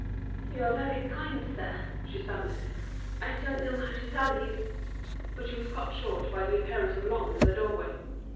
"You are very kind, sir," she stammered. "I don't know how to tell you—" But she was cut short by the appearance of Lhomme in the doorway.